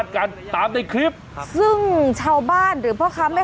แต่ทางฝ่ายของผู้ชายชาวเมียนมาเขาไม่ได้ให้